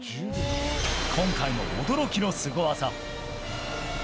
今回も驚きのスゴ技！